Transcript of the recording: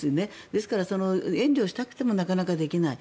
ですから、援助したくてもなかなかできない。